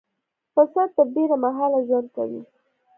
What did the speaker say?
پسه تر ډېره مهاله ژوند کوي.